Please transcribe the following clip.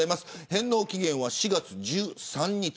返納期限は４月１３日。